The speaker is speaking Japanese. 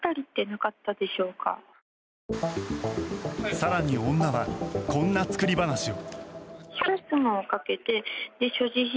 更に女は、こんな作り話を。